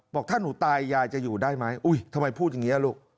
บอกถ้าหนูตายยายจะอยู่ได้ไหมอุ้ยทำไมพูดอย่างนี้ลูก